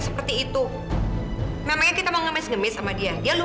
gak yahsanya sama kecil aja deh